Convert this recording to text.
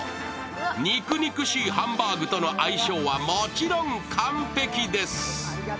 肉肉しいハンバーグとの相性はもちろん完璧です。